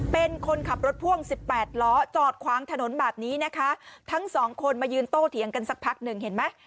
เป็นคนขับรถพ่วงสิบแปดล้อจอดขวางถนนแบบนี้นะคะทั้งสองคนมายืนโต้เถียงกันสักพักหนึ่งเห็นไหม